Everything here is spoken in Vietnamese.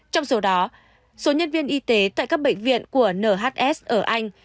trong số đó số nhân viên y tế tại các bệnh viện của nhs ở anh